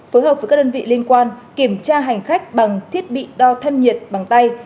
phối hợp với các đơn vị liên quan kiểm tra hành khách bằng thiết bị đo thân nhiệt bằng tay